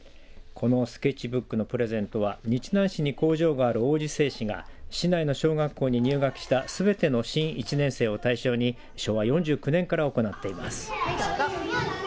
このスケッチブックのプレゼントは日南市に工場がある王子製紙が市内の小学校に入学したすべての新１年生を対象に昭和４９年から行っています。